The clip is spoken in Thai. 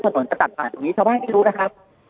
ถนนจะตัดผ่านอย่างนี้ชาวบ้านไม่รู้นะครับ